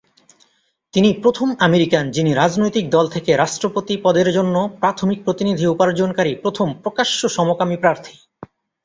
তিনি প্রথম আমেরিকান যিনি রাজনৈতিক দল থেকে রাষ্ট্রপতি পদের জন্য প্রাথমিক প্রতিনিধি উপার্জনকারী প্রথম প্রকাশ্য সমকামী প্রার্থী।